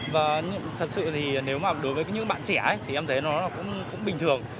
và thật sự thì nếu mà đối với những bạn trẻ thì em thấy nó cũng bình thường